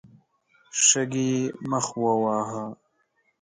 شګې يې مخ وواهه.